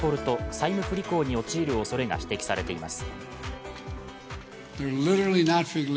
債務不履行に陥るおそれが指摘されています。